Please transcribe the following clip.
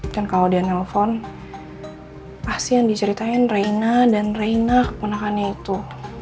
dan kalo dia nelfon pasti yang diceritain reina dan reina keponakannya itu